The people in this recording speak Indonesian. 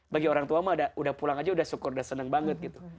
bagi orang tua mah udah pulang aja udah syukur udah seneng banget gitu